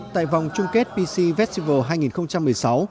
tại vòng chung kết pc festival